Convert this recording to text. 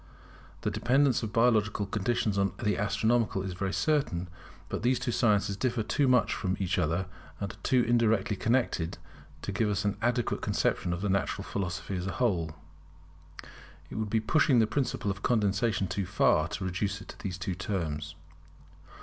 The dependence of biological conditions upon astronomical is very certain. But these two sciences differ too much from each other and are too indirectly connected to give us an adequate conception of Natural Philosophy as a whole. It would be pushing the principle of condensation too far to reduce it to these two terms.